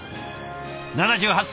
７８歳。